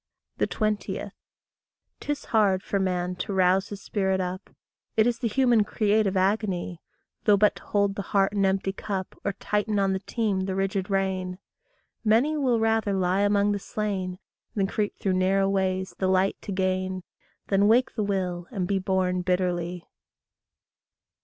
20. 'Tis hard for man to rouse his spirit up It is the human creative agony, Though but to hold the heart an empty cup, Or tighten on the team the rigid rein. Many will rather lie among the slain Than creep through narrow ways the light to gain Than wake the will, and be born bitterly.